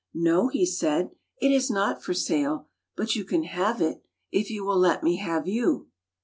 "No," he said, "it is not for sale. But you can have it, if you will let me have you."